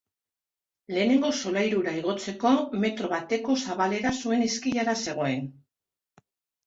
Lehenengo solairura igotzeko metro bateko zabalera zuen eskailera zegoen.